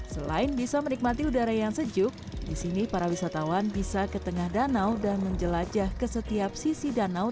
selain bisa menikmati udara yang sejuk disini para wisatawan bisa ke tengah danau dan menjelajah ke setiap sisi danau